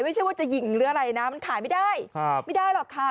ไม่ใช่ว่าจะหญิงหรืออะไรนะมันขายไม่ได้ไม่ได้หรอกค่ะ